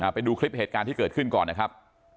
ไปดูคลิปเหตุการณ์ที่เกิดขึ้นก่อนนะครับ